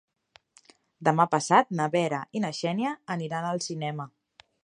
Demà passat na Vera i na Xènia aniran al cinema.